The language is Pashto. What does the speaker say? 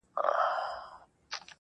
o له هغه وخته مو خوښي ليدلې غم نه راځي.